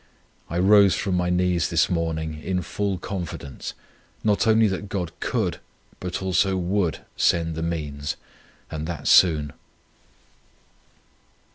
I rose from my knees this morning in full confidence, not only that God could, but also would, send the means, and that soon.